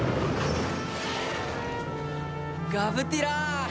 ガブティラ！